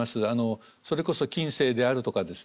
それこそ近世であるとかですね